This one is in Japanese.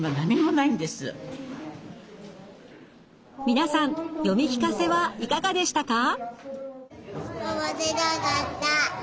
皆さん読み聞かせはいかがでしたか？